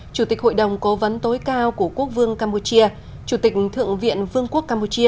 chủ tịch hội đồng cố vấn tối cao của quốc vương campuchia chủ tịch thượng viện vương quốc campuchia